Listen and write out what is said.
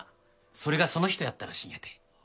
それがその人やったらしいんやて。